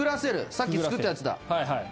さっき作ったやつだ。